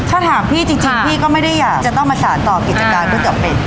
ถ้าถามพี่จริงพี่ก็ไม่ได้อยากจะต้องประสานต่อกิจการก๋วยเตี๋เป็ด